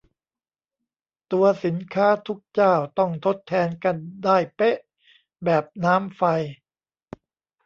ตัวสินค้าทุกเจ้าต้องทดแทนกันได้เป๊ะ แบบน้ำไฟ